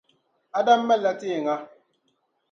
Adam malila teeŋa.